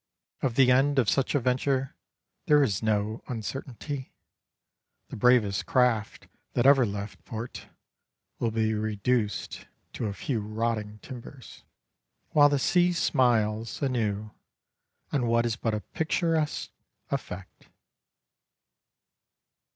Of the end of such a venture there is no uncertainty. The bravest craft that ever left port will be reduced to a few rotting timbers, while the sea smiles anew on what is but a picturesque effect.